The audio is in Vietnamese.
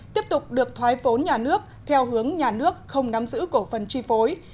tiếp tục được thoái vốn nhà nước theo hướng nhà nước không nắm giữ cổ phần chi phối